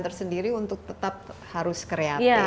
tersendiri untuk tetap harus kreatif